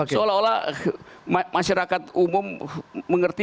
seolah olah masyarakat umum mengerti